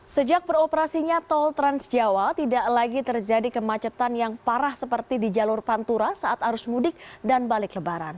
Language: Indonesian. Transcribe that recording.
sejak beroperasinya tol transjawa tidak lagi terjadi kemacetan yang parah seperti di jalur pantura saat arus mudik dan balik lebaran